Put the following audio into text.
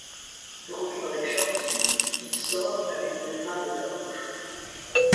De retour avec Shorty il sort avec une femme blanche.